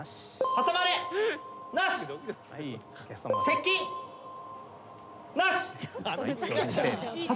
挟まれなし。